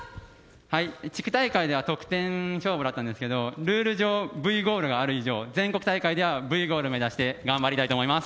はい地区大会では得点勝負だったんですけどルール上Ｖゴールがある以上全国大会ではＶゴール目指して頑張りたいと思います。